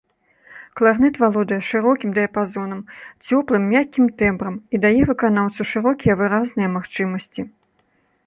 Кларнет валодае шырокім дыяпазонам, цёплым, мяккім тэмбрам і дае выканаўцу шырокія выразныя магчымасці.